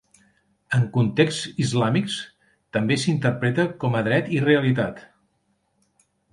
En contexts islàmics, també s'interpreta com a dret i realitat.